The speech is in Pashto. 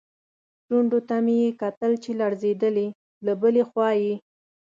شونډو ته مې یې کتل چې لړزېدلې، له بلې خوا یې.